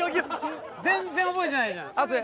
全然覚えてないじゃん。